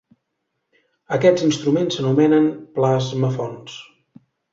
Aquests instruments s'anomenen "plasmaphones".